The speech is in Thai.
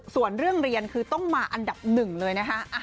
ส่วนเรื่องเรียนคือต้องมาอันดับหนึ่งเลยนะคะ